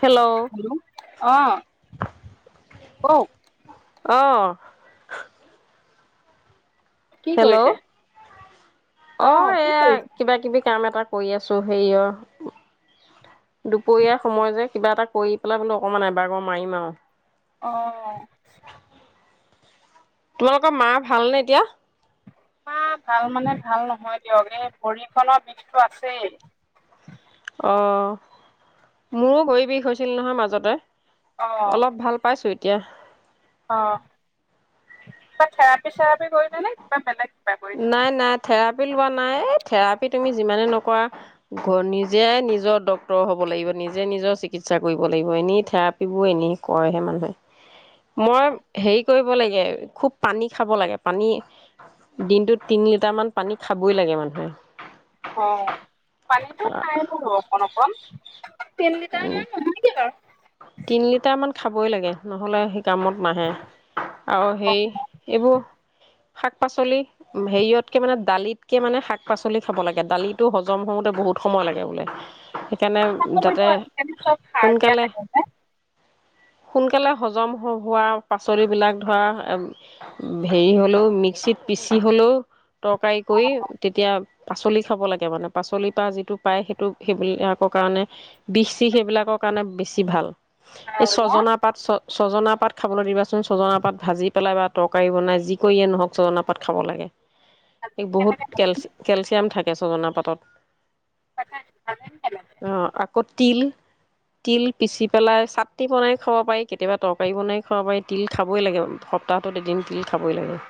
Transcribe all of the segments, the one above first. Hello hello আহ অ অ কি হেল্ল' কৰিছে? অ কি এয়া কৰিছে? কিবা কিবি কাম এটা কৰি আছো হেৰিয় দুপৰীয়া সময় যে কিবা এটা কৰি পেলাই বোলো অকমান এবাগৰ মাৰিম আৰু অ তোমালোকৰ মা ভালনে এতিয়া মা ভাল মানে ভাল নহয় দিয়ক এই ভৰিখনৰ বিষটোো আছেই অঁ মোৰো ভৰি বিষ হৈছিল নহয় মাজতে অ', অলপ ভাল পাইছো এতিয়া অ কিবা থেৰাপি চেৰাপি কৰিলে নে কিবা বেলেগ কিবা কৰিছে? নাই নাই থেৰা থেৰা লোৱা নাই থেৰাপি তুমি যিমানে নকৰা নিজে নিজৰ ডক্তৰ হব লাগিব নিজে নিজৰ চিকিৎসা কৰিব লাগিব এনেই থেৰাপীিবোৰ এনেই কৰেহে মানুহে মই হেৰি কৰিব লাগে খুব পানী খাব লাগে পানী দিনটোত তিনি লিটাৰ মান পানী খাবই লাগে মানুহে অ পানীতো খাই বলো অকণ অকণ তেতিনি ত ন নহক ক তিনি লিটাৰ মান খাবই লাগে নহ'লে শ কামত নাহে আৰু অ সেই এইবোৰ শাক পাচলি হেৰিয়তকে মানে দালিতকে মানে শাক পাচলি খাব লাগে দালিতটো হজম হওঁতে বহুত সময় লাগে বোলে সেইকাৰণে যাতে চব সাৰ দিয়া সোনকালে থাকে যে সোনকালে হজম হোৱা পাচলিবলাক ধৰা হেৰি হলেও মিক্সিত পিচি হলেও তৰকাৰী কৰি তেতিয়া পাচলি খাব লাগে মানে পাচলিৰ পৰা যিটো পায় সেইটো সেইবিলাকৰ কাৰণে বিষি সেইবিলাকৰ কাৰণে বেছি ভাল এই ভাল ন? ছজনা পাত ছ ছজনা পাত খাবলৈ দিবাচোন ছজনা পাত ভাজি পেলাই বা তৰকাৰী বনাই যি কৰিয়ে নহওক ছজনা পাত খাব লাগে আজি এই বহুত কেনেকে কেলচ কেলচিয়াম থাকে ছজনা পাতত অ' আকৌ পেলে তিল তিল পিচি পেলাই চাটনি বনাই খাব পাৰি কেতিয়াবা তৰকাৰী বনাই খাব পাৰি তিল খাবই লাগে সপ্তাহটোত এদিন তিল খাবই লাগে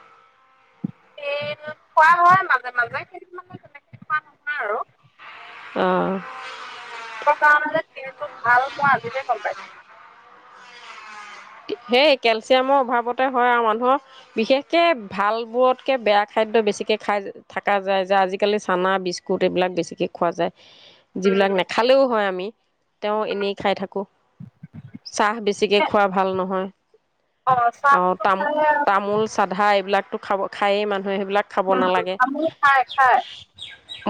তেল খোৱা হয় মাজে মাজে সেই মানে তেনেকে খোৱা নহয় আৰু আহ কিহৰ কাৰণে যে তেলটো ভাল মই আজিকে গম পাইছো সেই কেলচিয়ামৰ অভাৱতে হয় আৰু মানুহৰ বিশেষকে ভাল বোৰতকে বেয়া খাদ্য বেছিকে খাই থকা যায় যে আজিকালি চানা বিস্কুট এইবিলাক বেছিকে খোৱা যায় অ যিবিলাক নেখালেও হয় আমি তেওঁ এনেই খাই থাকো চাহ বেছিকে খোৱা নহয় আহ চাহটোতো তামো খাই আৰু তামোল চাধা এইবিলাক খাব খাই মানুহে সেইবিলাক খাব নালাগে তামোল খাই খাই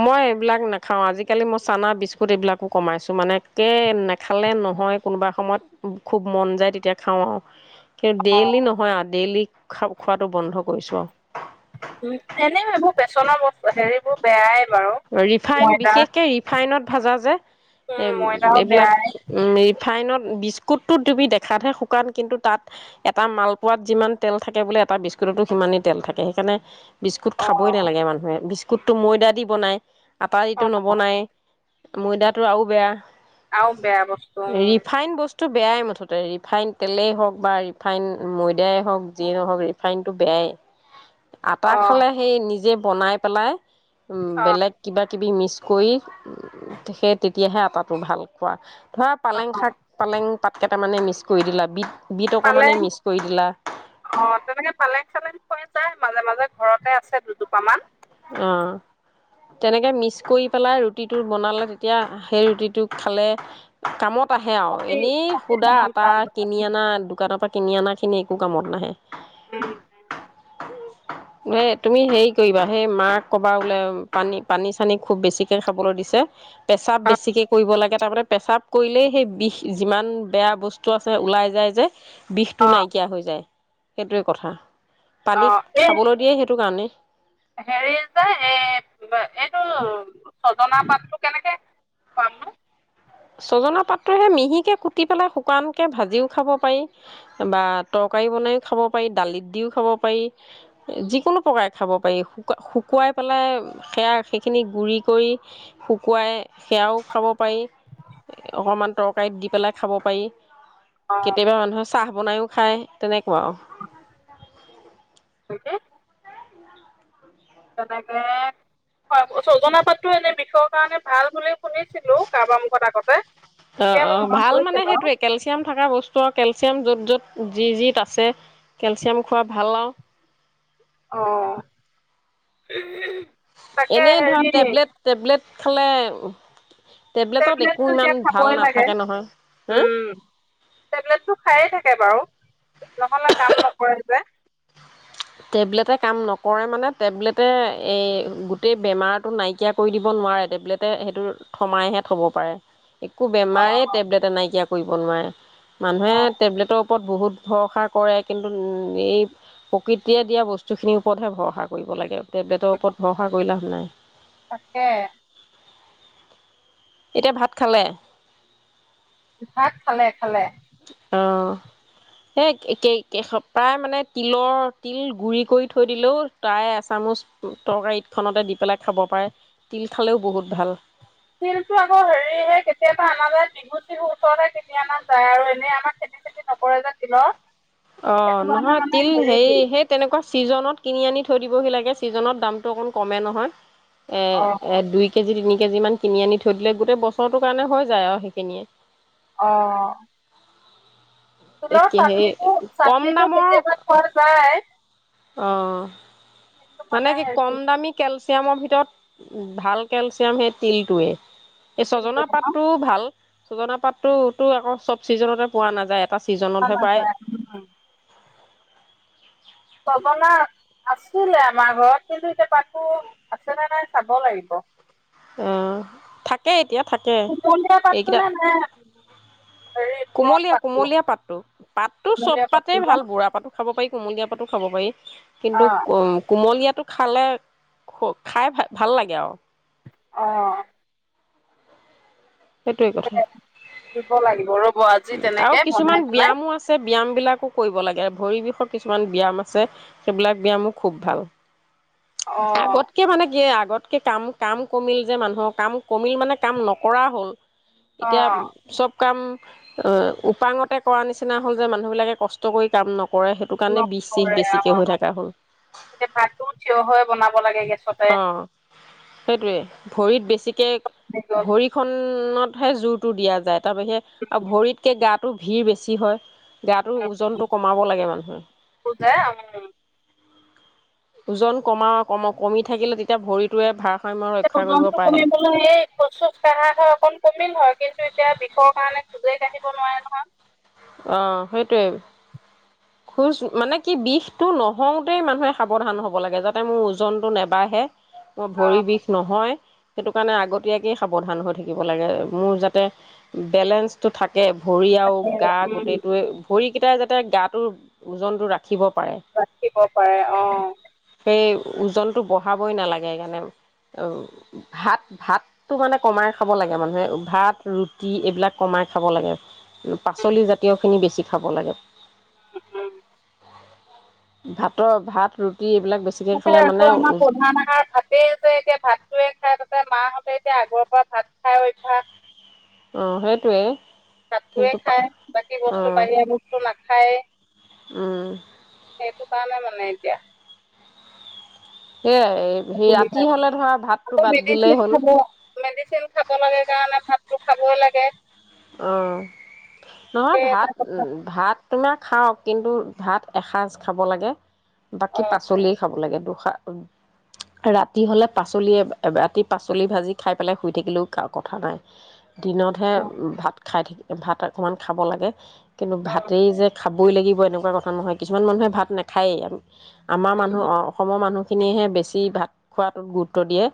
মই এইবিলাক নাখাওঁ আজিকালি মই চানা বিস্কুট এইবিলাকো কমাইছোঁ মানে একে নেখালে নহয় কোনোবা সময়ত খুব মন যায় তেতিয়া খাও আ ই অ ডেইলি নহয় আৰু ডেইলী খা খোৱাতটো বন্ধ কৰিছো আৰু উ এনেও এইবোৰ বেচনৰ বস্তু হেৰিবোৰ বেয়াই বাৰু ৰিফাইন ময়দা বিশেষকে ৰিফাইনত ভাজা যে উম এ ময়দাও এইবিলাক বেয়াই উ ৰিফাইনত বিস্কুতত তিবি দেখাতহে শুকান কিন্তু তাত এটা মালপোৱাত যিমান তেল থাকে বোলে এটা বিস্কুটতো সিমানেই তেল থাকে সেইকাৰণে বিস্কুট অ খাবই নালাগে মানুহে কুটটো ময়দা দি বনায় অ আটাইৰিতো নবনায় ময়দাটো আৰু বেয়া আৰু বেয়া বস্তু উম টো বেয়াই মুঠতে ৰিফাইন তেলেই হওক বা ৰিফাইন ময়দাই হওক যিয়ে নহওক ৰিফাইনটো বেয়াই আটা অ খালে সেই নিজে বনাই পেলাই উম অ বেলেগ কিবা কিবি মিক্স কৰি, সে তেতিয়াহে আটাটো ভাল খোৱা। ধৰা অ পালেং শাক, পালেং পাতকেইটামানে মিছ কৰি দিলা বিত পালেং, অ' তেনেকে পালেং চালেং হৈ যায় মাজে মাজে ঘৰতে আছে দুজোপা মান। অ' তেনেকে মিক্স কৰি পেলাই ৰুটিটো বনালে তেতিয়া সেই ৰুটিটো খালে কামত আহে আৰু এনেই সুদা আটা কিনি আনা দোকানৰ পৰা কিনি অনা খিনি একো কামত নাহে। উম উম। এ তুমি হেৰি কৰিবা সেই মাক ক'বা বোলেপানী, পানী চানী খুব বেছিকে খাবলৈ দিছে। পেছাব অ বেছিকে কৰিব লাগে। তাৰমানে পেচাব কৰিলেই সেই বিষ যিমান বেয়া বস্তু আছে ওলাই যায় যে। অ বিষটো নাইকিয়া হৈ যায়। সেইটোৱে কথা। অ পানী এই খাবলৈ দিয়ে সেইটো কাৰণেই। হেৰি যে এই, এইটো ছজনা পাতটো কেনেকৈ খামনো? ছজনা পাতটো হেই মিহিকৈ কুটি পেলাই শুকানকৈ ভাজিও খাব পাৰি বা তৰকাৰী বনাইও খাব পাৰি, দালিত দিও খাব পাৰি, যিকোনো প্ৰকাৰে খাব পাৰি। শুকুৱাই পেলাই সেয়া সেইখিনি গুৰি কৰি শুকুৱাই সেয়াও খাব পাৰি। অকমান তৰকাৰীত দি পেলাই খাব পাৰি। অ', কেতিয়াবা মানুহৰ চাহ বনাইও খায় তেনেকুৱা আৰু। কি? তেনেকে, ছজনা পাতটো এনে বিষৰ কাৰণে ভাল বুলি শুনিছিলোঁ কাৰোবাৰ মুখত আগতে, অঁ এতিয়া অঁ মোৰ মনত ভাল মানে পৰিছে বাৰু। সেইটোৱে কেলচিয়াম থকা বস্তু আৰু কেলচিয়াম য'ত য'ত যি যিত আছে, কেলচিয়াম খোৱা ভাল আৰু। অ'। তাকে এনেই ধৰা হেৰি টেবলেট, টেবলেট খালে। টেবলেটত একো টেবলেটটো ইমান এতিয়া ভাল খাবই লাগে। নাথাকে নহয় হা উম, টেবলেটটো খায়ে থাকে বাৰু নহলে কাম নকৰে যে। টেবলেটে কাম নকৰে মানে টেবলেটে এই গোটেই বেমাৰটো নাইকিয়া কৰি দিব নোৱাৰে, টেবলেটে সেইটো থমাইহে থ'ব পাৰে। একো বেমাৰে অ', টেবলেটে নাইকিয়া কৰিব নোৱাৰে। মানুহে অ', টেবলেটৰ ওপৰত বহুত ভৰসা কৰে কিন্তু এই প্ৰকৃতিয়ে দিয়া বস্তুখিনিৰ ওপৰতহে ভৰষা কৰিব লাগে। টেবলেটৰ ওপৰত ভৰসা কৰি লাভ নাই। তাকে। এতিয়া ভাত খালে ভাত খালে খালে এ এসোপা মানে তিলৰ তিল গু়ৰি কৰি থৈ দিলেও তাই এচামুচ তৰকাৰীত খনতে দি পেলাই খাব পাৰে তিল খালেও বহুত ভাল তিলতটো আকৌ হেৰিহে কেতিয়াবা অনা যায় বিহু চিহু ওচৰতহে কেতিয়াবা বনাই আৰু এনেই আমাৰ খেতি চেতি নকৰে যে তিলৰ অ সেইটো কাৰণে নহয় মানে তিল হেৰি সেই তেনেকুৱা ছিজনত কিনি আনি থৈ দিবহি লাগে ছিজনত দামটো অকণ কমে নহয় অ', এ এ দুই কেজি তিনি কেজি কেজি মান কিনি আনি থৈ দিলে, গোটেই বছৰটোৰ কাৰণে হৈ যায় আৰু সেইখিনিয়ে। অহ', তিলৰ একে সেই চাটনিটো- কম চাটনিটো কেতিয়াবা পোৱা যায়। অহ', কিন্তু মানে কি কম হেৰি দামি কেল- কেলচিয়ামৰ ভিতৰত ভাল কেলচিয়াম তিলটোৱে। এই ছজনা -পাতটোও ভাল। সজনা পাততো-টো আকৌ চব চিজনতে পোৱা নাযায়। এটা খোৱা ছিজনতহে পায়। নাযায় চজনা, আছিলে আমাৰ ঘৰত, কিন্তু এতিয়া তাকো আছেনে- নাই চাব লাগিব। অ', থাকে এতিয়া থাকে, কুমলীয়া পাতটো এইকেইটা নে নে হেৰি পুৰঠ কুমলীয়া- পাতটো -কুমলীয়া পাতটো। পাতটো চব কুমলীয়া পাতটো পাতেই ন ভাল বুঢ়া পাতো খাব পাৰি। কুমলীয়াা পাতো খাব পাৰি। কিন্তু অ কোমলীয়াত, টো খালে খ-খাই ভাল লাগে আৰু। অহ ', সেইটোৱে কথা দিব লাগিব ৰ, আৰু কিছুমান ব্যয়ামো আছে ব্যয়াম বিলাকো, কৰিব লাগে আৰু ভৰি বিষৰ কিছুমান ব্যায়াম আছে সেইবিলাক ব্যয়ামো খুব ভাল। অ আগতকে মানে কি আগত, কাম -কাম কমিল যে', মানুহৰ কাম কমিল মানে কাম নকৰা হ'ল। অ এতিয়া চব কাম, - অ', উপাঙতে কৰা নিচিনা হ'ল যে', - মানুহ বিলাকে কষ্ট কৰি কাম নকৰে। কৰে, সেইটো কাৰণে বিষ-চিষ নকৰে বেছিকে অ হৈ থকা হ'ল। অ', এতিয়া ভাতটো থিয় হৈ বনাব লাগে গেছতে - সেইটোৱে ভৰিত বেছিকে হৈ গ'ল ভৰি-খনত, সেই জোৰটো দিয়া যায়। তাৰ বাহিৰে আ', ভৰিতকে গাত, তোৰ ভিৰ বেছি হয়। গাটোৰ ওজনটো কমাব লাগে মানুহে। উম, যে উম ওজন কমাও, কমা কমি থাকিলে তেতিয়া ভৰিতোৱে ভাৰ ওজনটো কমিবলে এই খোচ -চোজ কাঢ়া হয় অকণ কমিল হয়কে, এতিয়া বিষৰ কাৰণে খোজেই কাঢ়িব নোৱাৰে নহয়। অ', -সেইটোৱে, খোজ মানে কি বিষটো নহওঁতেই মানুহে সাৱধান হ'ব লাগে, যাতে মোৰ ওজনটো নেবাঢ়ে। মোৰ ভৰি বিষ নহয় সেইটো কাৰণে আগতীয়াকেই সাৱধান হৈ থাকিব লাগে, মোৰ যাতে বেলেঞ্চটো থাকে এ ভৰি আৰু আ উম, গোটেইটোৱে ভৰি কেইটাই যাতে গাটোৰ ওজনতটো ৰাখে ৰাখিব পাৰে, সেই অ' ওজনটো বঢ়াবই নালাগে সেইকাৰণে, ভাত ভাতটো মানে কমাই খাব লাগে মানুহে। ভাত, ৰুটি এইবিলাক কমাই খাব লাগে। উম, পাচলি জাতীয় খিনি বেছি খাব লাগে। উম ভাতৰ ভাত, ৰুটি এইবিলাক বেছিকৈ খালে সেইটোৱে মানে আকৌ আমাৰ অঁ প্ৰধান আহাৰ ভাতে যে এতিয়া ভাততোৱে খাই থকা মাহঁতে এতিয়া আগৰ পৰা ভাত খাই অভ্যাস। অ' সেইটোৱে। ভাতটোৱে খাই, বাকী বস্তু বাহিৰা বস্তু নাখায়েই, সেইটো কাৰণে মানে মানে এতিয়া সেয়াই সেই অসুবিধা ৰাতি আছে হ'লে ধৰা ভাতটো আকৌ বাদ দিলেই মেডিচিন হ'ল খাব মেডিচিন খাব লাগে কাৰণে ভাতটো খাবৈ লাগে। অ' নহয় সেই এটা ভাত কথা ভাত তোমাক খাওক, কিন্তু ভাত এসাঁজ খাব লাগে বাকী অ', পাচলিযেই খাব লাগে এইবোৰ খা ৰাতি হ'লে পাচলি ৰাতি পাচলি ভাজি খাই পেলাই শুই থাকিলেও কথা নাই। দিনতহে খাই থাকিবি, ভাত অকণমান খাব লাগে কিন্তু, অ', ভাতেই যে খা খাবই লাগিব এনেকুৱা কথা নহয়, কিছুমান মানুহে ভাত নাখায়েই, আমাৰ উম, মানুহ, অসমৰ মানুহ খিনিেহে বেছি ভাত খোৱাটোত গুৰুত্ব দিয়ে।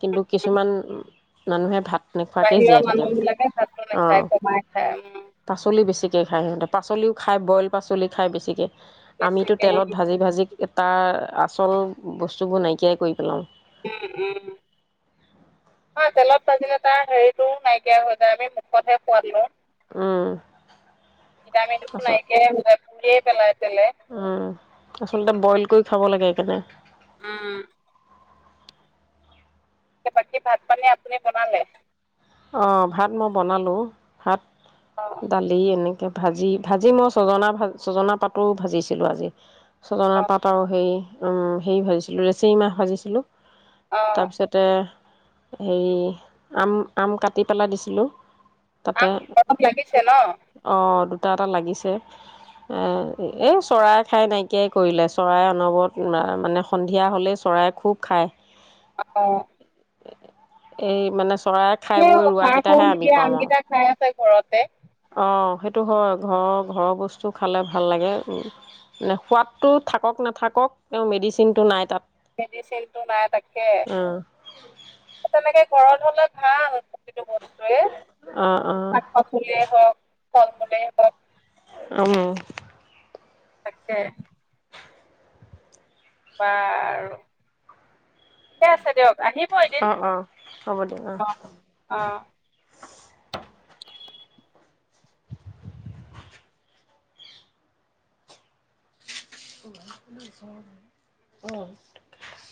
কিন্তু উম। কিছুমান মানুহে ভাত নোখোৱাকেই জীয়াই বাহিৰৰ থাকে মানুহ বোলে বিলাকে ভাতটো নাখায় খাই কমাই খায় উম বেছিকে খায় সিহঁতে পাচলি খায় বইল পাচলি খায় বেছিকে আমিতো বেছিকে উম তেলত ভাজি ভাজি তাৰ আচল বস্তুবোৰ নাইকিয়াই কৰি পেলাওঁ উ উ নহয় তেলত ভাজিলে তাৰ হেৰিটো নাইকিয়া হৈ যায় আমি মুখতহে সোৱাদ লওঁ উম, ভিটামিনো আচল নাইকিয়া এ হৈ যায় শেষে পেলাই পেলে উম আচলতে বইল কৰি খাব লাগে একানে। উম বাকী ভাত পানী আপুনি বনালে অঁ, ভাত মই বনালোঁ ভাত অ দালি এনেকে ভাজি ভাজি মই চজনা ভ চজনা পাতো ভাজিছিলো আজি চজনা অ পাত আৰু হেৰি। অঁ, হেৰি ভাজিছিলোঁ লেছেৰি মাহ ভাজিছিলোঁ। অ তাৰপিছতে হেই আম আম কাটি পেলাই দিছিলোঁ। তাতে আম গছত লাগিছে ন। অঁ দুটা এটা লাগিছে এই চৰাই খাই নাইকিয়াই কৰিলে চৰাই অনবৰত মানে সন্ধিয়া হ'লেই চৰাই খুব খায়। অ এই মানে চৰাই খাই বৈ সাৰ সুৰ ৰোৱাকেইটাহে আমি নিদিয়া পাওঁ আৰু আমকেইটা খাই আছে ঘৰতে টো হয় ঘৰৰ ঘৰৰ বস্তু খালে ভাল লাগে মানে সোৱাদটো থাকক নাথাকক তেওঁ মেডিচিনটো নাই তাত। মেডিচিনটো নাই তাকে অঁ তেনেকে ঘৰত হলত ভাল বস্তুৱে অঁ শাক অঁ পাচলিয়ে হওক ফল মূলেই হওঁক। উম তাকে বাৰো ঠিকে আছে দিয়ক। আহিব এদিন অ অ হ'ব দিয়ক অ অ [inaudible] অ